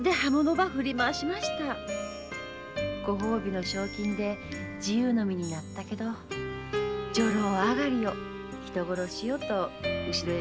ご褒美の賞金で自由の身になったけど「女郎上がりよ」「人殺しよ」と後ろ指ばさされて。